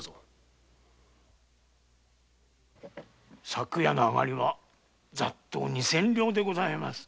昨夜の上がりはざっと二千両でございます。